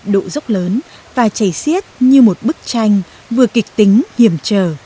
độ dốc lớn và chảy xiết như một bức tranh vừa kịch tính hiểm trở